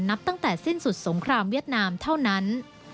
นับตั้งแต่สิ้นสุดสงครามเวียดนามเท่านั้น